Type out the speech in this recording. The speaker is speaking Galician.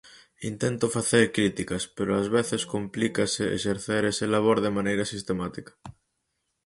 Intento facer críticas, pero ás veces complícase exercer ese labor de maneira sistemática.